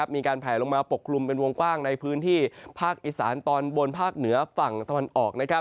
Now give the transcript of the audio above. มีการแผลลงมาปกกลุ่มเป็นวงกว้างในพื้นที่ภาคอีสานตอนบนภาคเหนือฝั่งตะวันออก